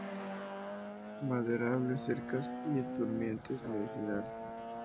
Maderable, cercas y durmientes, medicinal.